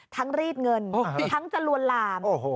รีดเงินทั้งจะลวนลาม